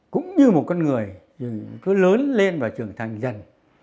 cũng như một con người cứ lớn lên và trưởng thành dần